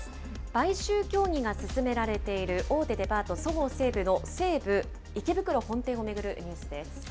買収協議が進められている大手デパート、そごう・西武の西武池袋本店を巡るニュースです。